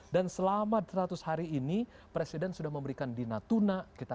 dan selama seratus hari ini presiden sudah memberikan di natuna